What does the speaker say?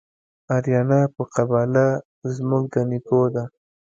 آریانا په قباله زموږ د نیکو ده